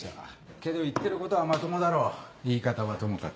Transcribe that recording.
けど言ってることはまともだろ言い方はともかく。